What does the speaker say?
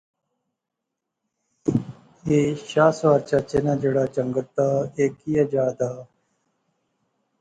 ایہہ شاہ سوار چچے ناں جہیڑا جنگت دا ایہہ کیا جا دا؟